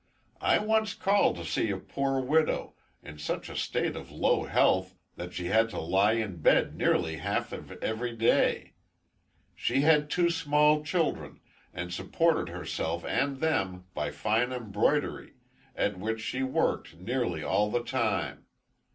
"I once called to see a poor widow, in such a state of low health that she had to lie in bed nearly half of every day. She had two small children, and supported herself and them by fine embroidery, at which she worked nearly all the time.